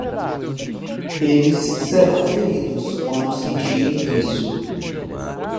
Eles serão feridos quando sentirem isso.